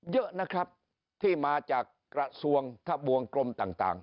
เยอะนะครับที่มาจากกระทรวงทะบวงกลมต่าง